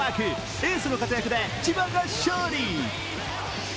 エースの活躍で千葉が勝利。